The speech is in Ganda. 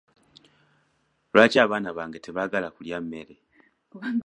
Lwaki abaana bange tebaagala kulya mmere?